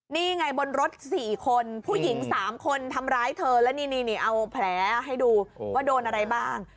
นี่ไงบนรถ๔คนผู้หญิง๓คนทำร้ายเธอแล้วนี่เอาแผลให้ดูว่าโดนอะไรบ้าง